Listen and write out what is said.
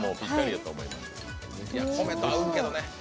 米と合うけどね。